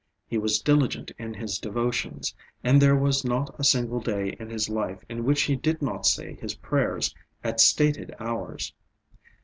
He was diligent in his devotions; and there was not a single day in his life in which he did not say his prayers at stated hours.